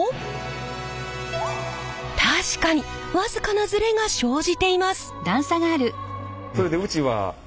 確かに僅かなズレが生じています。